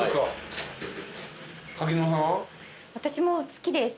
私も好きです。